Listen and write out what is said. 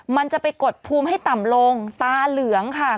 มันจะไปกดภูมิให้ต่ำลงตาเหลืองค่ะ